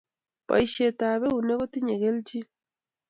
boishetap eunek kotinyei kelchin